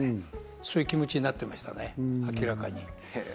そういう気持ちになってましたね、明らかに。